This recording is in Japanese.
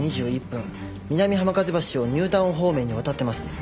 南浜風橋をニュータウン方面に渡ってます。